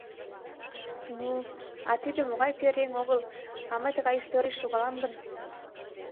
Ну, а тиде ала-могай пӧръеҥ огыл, а мый тыгай историйыш логалам гын?